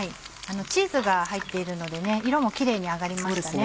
チーズが入っているので色もキレイに揚がりました。